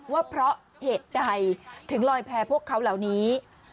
ว่าเพราะเหตุใดถึงลอยแพ้พวกเขาเหล่านี้